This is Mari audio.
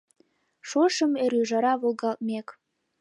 Шошым, эр ÿжара волгалтмек